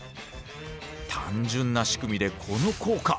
単純な仕組みでこの効果。